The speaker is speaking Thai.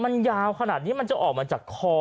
มันยาวขนาดนี้มันจะออกมาจากคอ